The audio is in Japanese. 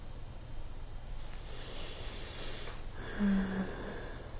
うん。